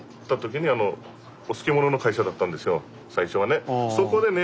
最初はね。